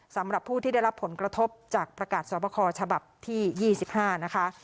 สำหรับผู้ที่ได้รับผลกระทบจากประกาศสอบคอฉบับที่๒๕นะคะ